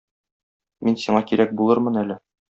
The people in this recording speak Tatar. Мин сиңа кирәк булырмын әле.